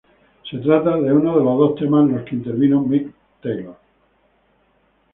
Se trata de uno de los dos temas en los que intervino Mick Taylor.